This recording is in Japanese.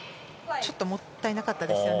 ちょっともったいなかったですよね。